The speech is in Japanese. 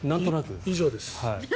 以上です。